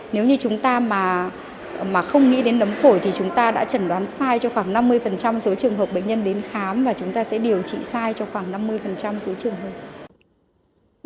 nếu như chúng ta mà không nghĩ đến nấm phổi thì chúng ta đã chẩn đoán sai cho khoảng năm mươi số trường hợp bệnh nhân đến khám và chúng ta sẽ điều trị sai cho khoảng năm mươi số trường hơn